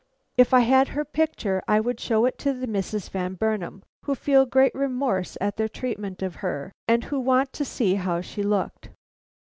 If I had her picture I would show it to the Misses Van Burnam, who feel great remorse at their treatment of her, and who want to see how she looked.